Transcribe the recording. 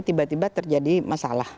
tiba tiba terjadi masalah